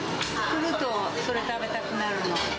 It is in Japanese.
来るとそれ、食べたくなるの。